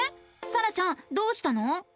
さらちゃんどうしたの？